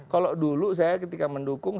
kalau dulu saya ketika mendukung